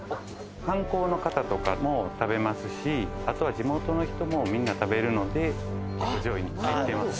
観光の方とかも食べますしあとは地元の人もみんな食べるので上位に入ってます